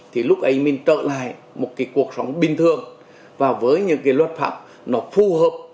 thì lúc ấy mình trở lại một cuộc sống bình thường và với những luật pháp nó phù hợp